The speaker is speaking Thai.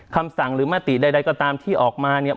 คำสั่งหรือมติใดก็ตามที่ออกมาเนี่ย